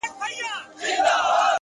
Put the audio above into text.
هڅاند ذهن د خنډونو بندیوان نه وي